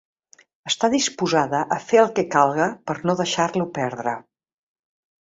Està disposada a fer el que calga per no deixar-lo perdre.